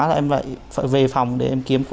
là em phải về phòng để em kiếm